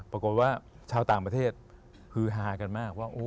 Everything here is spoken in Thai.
ปรากฏว่าชาวต่างประเทศฮือฮากันมากว่า